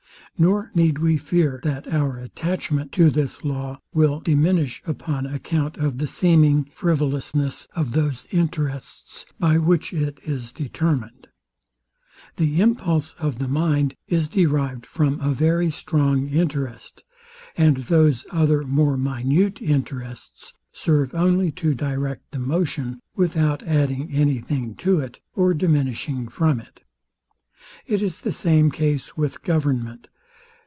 Nor need we fear, that our attachment to this law will diminish upon account of the seeming frivolousness of those interests, by which it is determined. The impulse of the mind is derived from a very strong interest; and those other more minute interests serve only to direct the motion, without adding any thing to it, or diminishing from it. It is the same case with government.